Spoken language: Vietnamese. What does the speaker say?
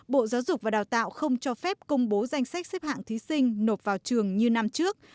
bộ giáo dục và đào tạo không cho phép công bố danh sách xếp hạng thí sinh nộp vào trường như năm trước